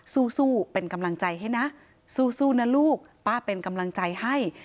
สู้เป็นกำลังใจให้นะสู้นะลูกป้าเป็นกำลังใจให้